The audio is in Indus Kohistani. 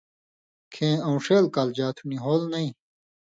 کھیں اُو نشیل کالژا تُھو نی ہول نَیں۔